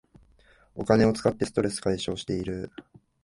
お金を使ってストレス解消してる